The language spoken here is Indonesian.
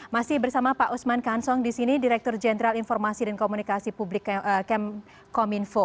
masih bersama pak usman kansong di sini direktur jenderal informasi dan komunikasi publik kominfo